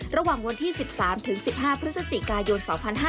ระหว่างวันที่๑๓๑๕พฤศจิกายน๒๕๕๙